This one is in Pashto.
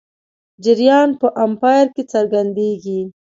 جریان په امپیر کې څرګندېږي.